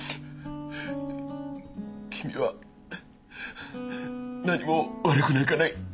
君は何も悪くなんかない。